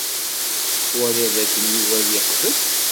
Tettwaliḍ dakken Yuba ad yeqbel?